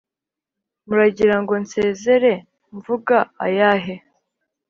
Muragira ngo Nsezere mvuga ayahe